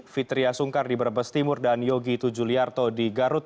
fitriah sungkar di brebes timur dan yogi tujuliarto di garut